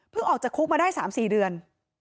ออกจากคุกมาได้๓๔เดือน